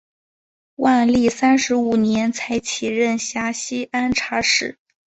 万历三十五年才起任陕西按察使。